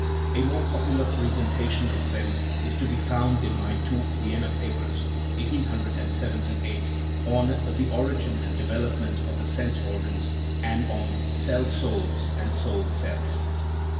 A more popular presentation of them is to be found in my two Vienna papers (1878) on " The Origin and Development of the Sense Organs" and on "Cell Souls and Soul Cells."